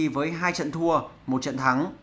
với hai trận thua một trận thắng